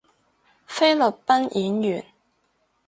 菲律賓演員